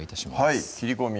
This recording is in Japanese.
はい切り込み